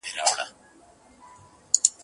ستا په سترګو چي ما وینې، بل څوک نه سې په لیدلای